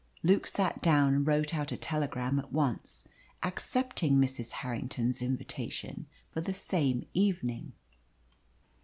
Luke sat down and wrote out a telegram at once, accepting Mrs. Harrington's invitation for the same evening.